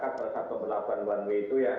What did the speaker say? pada saat pembelakuan one way itu ya